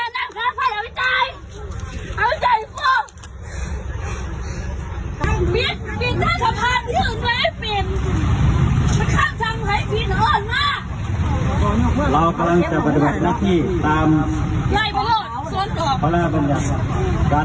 การสาสุขต่อส๒๐๓๕ขั้นฝาเผินในการจำหน่ายเชิญแท้ในที่บินทางสาณะโดยไม่ได้รับอัพยาบ